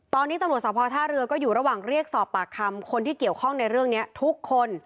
ตอนนี้ตำรวจสภท่าเรือก็อยู่ระหว่างเรียกสอบปากคำคนที่เกี่ยวข้องในเรื่องนี้ทุกคน